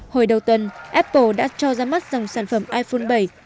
hồi đầu tuần apple đã cho ra mắt dòng sản phẩm iphone bảy